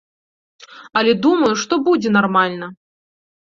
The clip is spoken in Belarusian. Але думаю, што будзе нармальна.